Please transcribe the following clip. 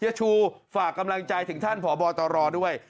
ชูฝากกำลังใจถึงท่านผอบตรด้วย